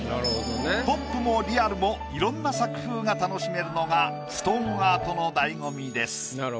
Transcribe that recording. ポップもリアルもいろんな作風が楽しめるのがストーンアートの醍醐味です。